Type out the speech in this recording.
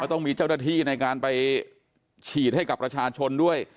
ต้องมีเจ้าหน้าที่ในการไปฉีดให้กับประชาชนด้วย